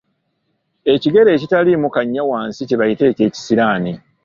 Ekigere ekitaliimu kannya wansi kye bayita ekyekisiraani.